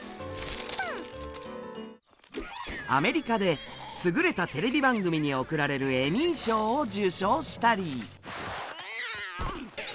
アメリカで優れたテレビ番組に贈られるエミー賞を受賞したり。